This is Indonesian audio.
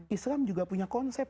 islam juga punya konsep